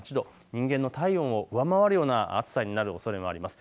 人間の体温を上回るような暑さになるおそれがあります。